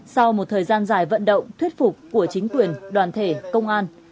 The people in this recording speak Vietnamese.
sau một thời gian dài vận động thuyết phục của chính quyền đoàn thể công an